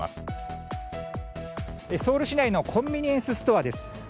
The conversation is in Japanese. ソウル市内のコンビニエンスストアです。